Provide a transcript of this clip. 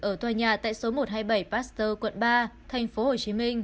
ở tòa nhà tại số một trăm hai mươi bảy pasteur quận ba tp hcm